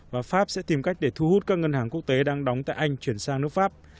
và pháp sẽ tìm cách để thu hút các ngân hàng quốc tế đang đóng tại anh chuyển sang nước pháp